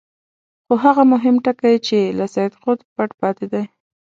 خو هغه مهم ټکی چې له سید قطب پټ پاتې دی.